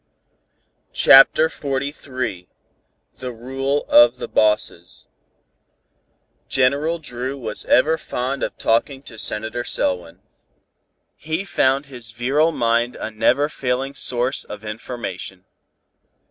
CHAPTER XLIII THE RULE OF THE BOSSES General Dru was ever fond of talking to Senator Selwyn. He found his virile mind a never failing source of information.